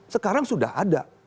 sekarang sudah ada